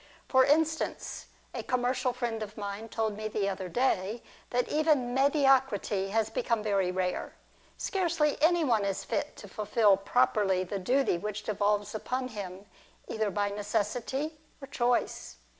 For instance, a commercial friend of mine told me the other day that even mediocrity has become very rare. Scarcely any one is lit to fulfil properly the duty which devolves upon him, either by necessity or choice.